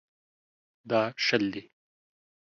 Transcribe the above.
دا شل دي.